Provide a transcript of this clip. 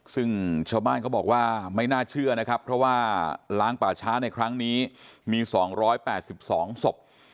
ซึ่งชาวบ้านเขาบอกว่าไม่น่าเชื่อนะครับเพราะว่าล้างป่าช้าในครั้งนี้มี๒๘๒ศพ